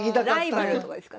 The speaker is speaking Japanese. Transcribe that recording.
ライバルとかですかね。